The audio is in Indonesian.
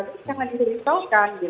itu tidak dihidupkan